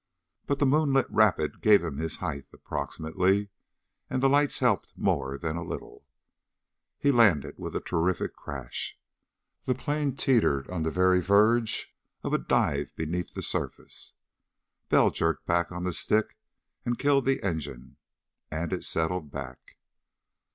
But the moonlit rapid gave him his height, approximately, and the lights helped more than a little. He landed with a terrific crash. The plane teetered on the very verge of a dive beneath the surface. Bell jerked back the stick and killed the engine, and it settled back.